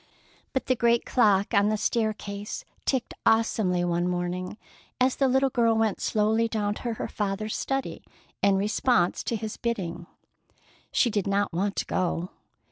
But the great clock on the staircase ticked awesomely one morning as the little girl went slowly down to her father's study in response to his bidding. She did not want to go.